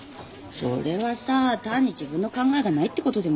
それはさあ単に自分の考えがないってことでもあるでしょ？